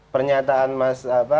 pernyataan mas apa